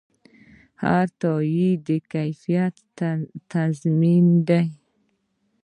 هر تایید د کیفیت تضمین دی.